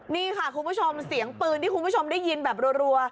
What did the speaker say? นี่ค่ะคุณผู้ชมเสียงปืนที่คุณผู้ชมได้ยินแบบรัว